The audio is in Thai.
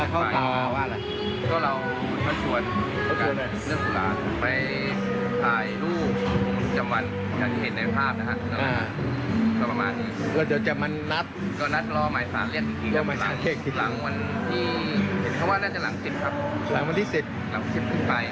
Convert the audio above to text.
ก็นัดรอใหม่สารเรียกอีกครั้งหลังวันที่๑๐ครับ